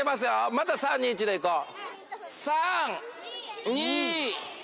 また３２１でいこう。